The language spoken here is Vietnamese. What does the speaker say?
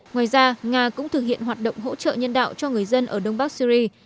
ngoài ra nga cũng thực hiện hoạt động hỗ trợ nhân đạo cho người dân ở đông bắc syri